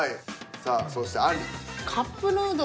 さあそしてあんり。